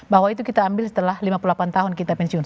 bahwa itu kita ambil setelah lima puluh delapan tahun kita pensiun